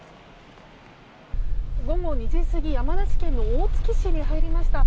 午後２時過ぎ山梨県大月市に入りました。